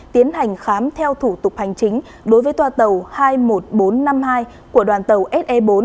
tiến hành khám theo thủ tục hành chính đối với toa tàu hai mươi một nghìn bốn trăm năm mươi hai của đoàn tàu se bốn